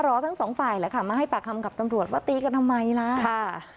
ทั้งสองฝ่ายแหละค่ะมาให้ปากคำกับตำรวจว่าตีกันทำไมล่ะค่ะ